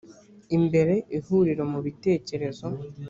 imbere ihuriro mu bitekerezo